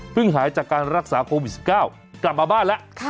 หายจากการรักษาโควิด๑๙กลับมาบ้านแล้ว